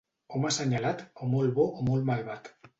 Home assenyalat, o molt bo o molt malvat.